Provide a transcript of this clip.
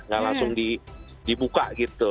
gak langsung dibuka gitu